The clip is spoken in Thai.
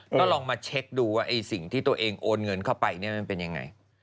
ก็ลองมาเช็คดูว่าสิ่งที่ตัวเองโอนเงินเข้าไปมันเป็นยังไง